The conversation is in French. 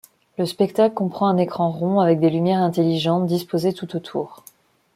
Le spectacle comprend un écran rond avec des lumières intelligentes disposées tout autour.